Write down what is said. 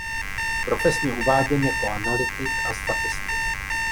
Profesně uváděn jako analytik a statistik.